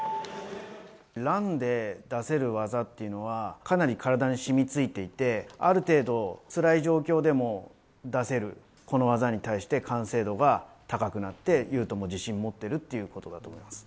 ランで出せる技っていうのは、かなり体に染みついていて、ある程度つらい状況でも出せる、この技に対して完成度が高くなって、雄斗も自信持ってるってことだと思います。